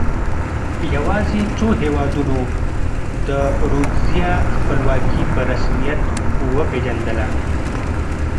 یوازې څو هېوادونو د رودزیا خپلواکي په رسمیت وپېژندله.